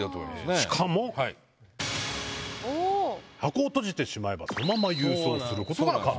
しかも、箱を閉じてしまえば、そのまま郵送することが可能。